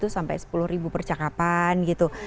sampai sepuluh ribu percakapan gitu